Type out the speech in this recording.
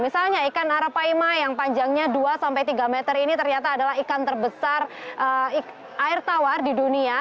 misalnya ikan arapaima yang panjangnya dua sampai tiga meter ini ternyata adalah ikan terbesar air tawar di dunia